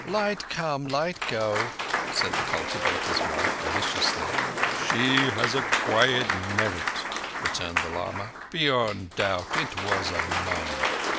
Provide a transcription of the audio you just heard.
"Light come—light go," said the cultivator's wife viciously. "She has acquired merit," returned the lama. "Beyond doubt it was a nun."